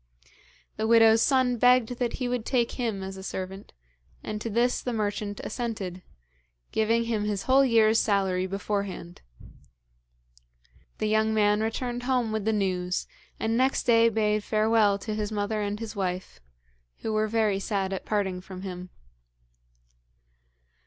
The widow's son begged that he would take him as a servant, and to this the merchant assented, giving him his whole year's salary beforehand. The young man returned home with the news, and next day bade farewell to his mother and his wife, who were very sad at parting from him.